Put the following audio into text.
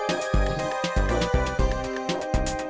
kalau akang terserah